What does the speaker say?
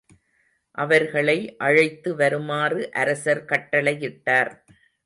அவர்களை அழைத்து வருமாறு அரசர் கட்டளையிட்டார்.